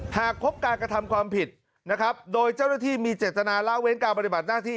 หากพบการกระทำความผิดนะครับโดยเจ้าหน้าที่มีเจตนาล่าเว้นการปฏิบัติหน้าที่